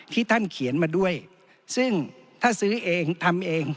ที่ท่านเขียนมาด้วยซึ่งถ้าซื้อเองทำเอง